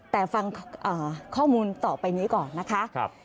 แต่ฟังข้อมูลต่อไปนี้ก่อนนะคะ